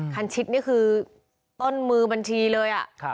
คันชิดนี่คือต้นมือบัญชีเลย